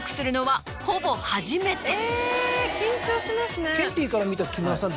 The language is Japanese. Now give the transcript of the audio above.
えぇ緊張しますね。